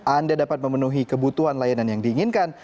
anda dapat memenuhi kebutuhan layanan yang diinginkan